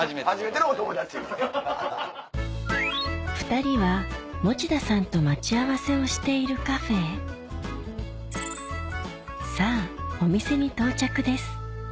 ２人は持田さんと待ち合わせをしているカフェへさぁお店に到着です